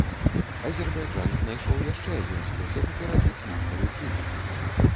Азербайджан знайшоў яшчэ адзін спосаб перажыць нафтавы крызіс.